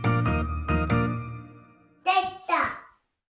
できた。